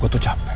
gue tuh capek